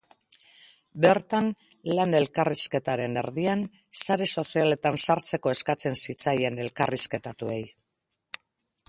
Bertan, lan elkarrizketaren erdian, sare sozialetan sartzeko eskatzen zitzaien elkarrizketatuei.